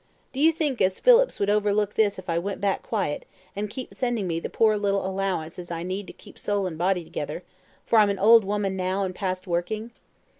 Do you think as Phillips would overlook this if I went back quiet, and keep sending me the poor little allowance as I need to keep soul and body together, for I'm an old woman now, and past working?"